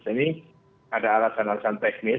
ini ada alasan alasan teknis